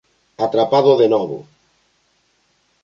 Atrapado de novo.